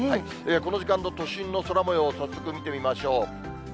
この時間の都心の空もよう、早速見てみましょう。